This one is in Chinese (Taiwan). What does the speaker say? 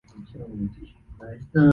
無往不利的自我經營術